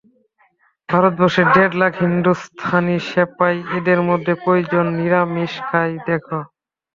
ভারতবর্ষে দেড় লাখ হিন্দুস্থানী সেপাই, এদের মধ্যে কয়জন নিরামিষ খায় দেখ।